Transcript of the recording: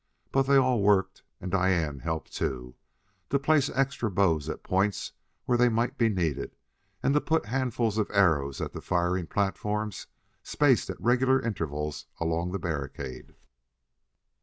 But they all worked, and Diane helped, too, to place extra bows at points where they might be needed and to put handfuls of arrows at the firing platforms spaced at regular intervals along the barricade.